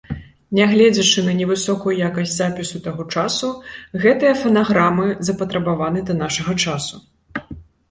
Нягледзячы на невысокую якасць запісу таго часу, гэтыя фанаграмы запатрабаваны да нашага часу.